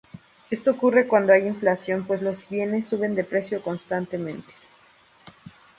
Esto ocurre cuando hay inflación, pues los bienes suben de precio constantemente.